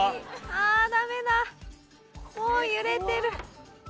あダメだもう揺れてる。